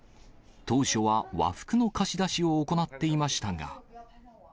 当初は和服の貸し出しを行っていましたが。